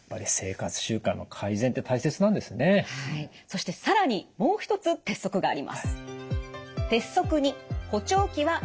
そして更にもう一つ鉄則があります。